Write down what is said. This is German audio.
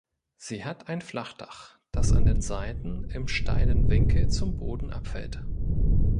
Sie hat ein Flachdach, das an den Seiten im steilen Winkel zum Boden abfällt.